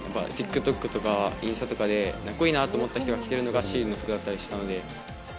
ＴｉｋＴｏｋとかインスタとかでかっこいいなと思った人が着ているのがシーインの服だったりしたので。